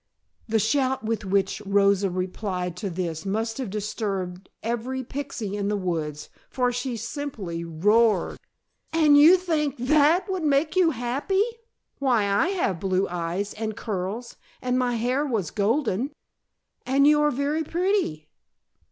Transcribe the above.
The shout with which Rosa replied to this must have disturbed every pixy in the woods, for she simply roared! "And you think that would make you happy! Why, I have blue eyes and curls, and my hair was golden " "And you are very pretty!"